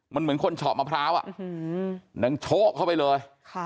มันเหมือนคนเฉาะมะพร้าวนางโชคเข้าไปเลย